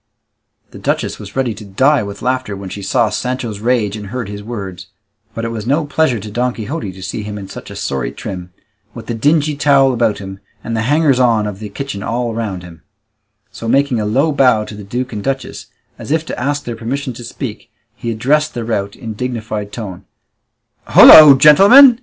The duchess was ready to die with laughter when she saw Sancho's rage and heard his words; but it was no pleasure to Don Quixote to see him in such a sorry trim, with the dingy towel about him, and the hangers on of the kitchen all round him; so making a low bow to the duke and duchess, as if to ask their permission to speak, he addressed the rout in a dignified tone: "Holloa, gentlemen!